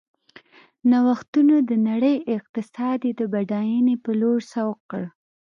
نوښتونو د نړۍ اقتصاد یې د بډاینې په لور سوق کړ.